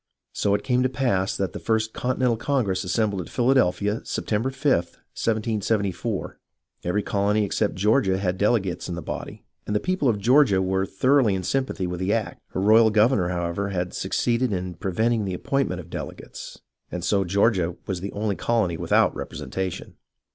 So it came to pass that the First Continental Congress assembled at Philadelphia, September 5, 1774. Every colony except Georgia had delegates in the body, and the people of Georgia were thoroughly in sympathy with the act. Her royal governor, however, had succeeded in pre venting the appointment of delegates, and so Georgia was the only colony without representation.